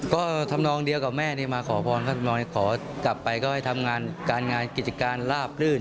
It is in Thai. ก็ทำน้องเดียวกับแม่มาขอพรกลับไปก็ให้ทำงานการงานกิจการลาบลื่น